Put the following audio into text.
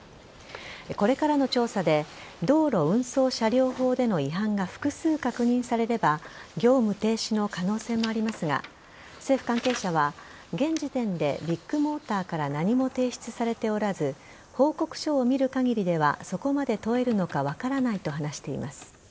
これからの調査で道路運送車両法での違反が複数確認されれば業務停止の可能性もありますが政府関係者は現時点でビッグモーターから何も提出されておらず報告書を見る限りではそこまで問えるのか分からないと話しています。